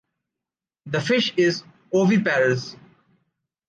This fish is oviparous.